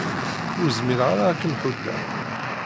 Ur zmireɣ ara ad kem-ḥuddeɣ.